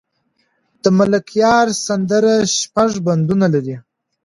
د ملکیار سندره شپږ بندونه لري.